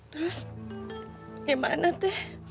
terus gimana tete